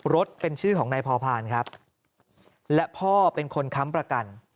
รถเป็นชื่อของนายพอพานครับและพ่อเป็นคนค้ำประกัน